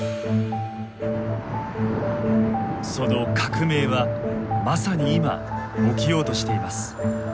その革命はまさに今起きようとしています。